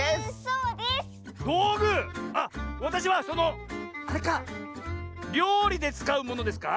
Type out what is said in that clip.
あっわたしはそのあれかりょうりでつかうものですか？